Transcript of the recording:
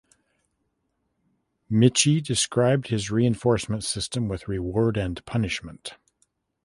Michie described his reinforcement system with "reward" and "punishment".